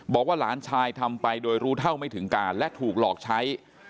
บอกว่าหลานชายทำไปโดยรู้เท่าไม่ถึงการและถูกหลอกใช้